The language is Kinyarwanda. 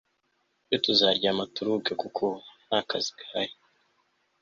ejo tuzaryama turuhuke kuko ntakazi gahari